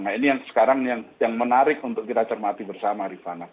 nah ini yang sekarang yang menarik untuk kita cermati bersama rifana